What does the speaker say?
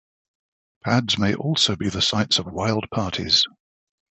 Pads may also be the sites of wild parties.